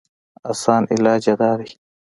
اسان علاج ئې دا دی